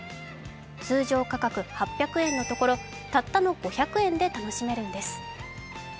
通常価格８００円のところたったの５００円で楽しめるんです。